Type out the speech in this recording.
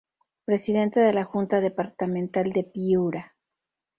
Presidente de la Junta Departamental de Piura.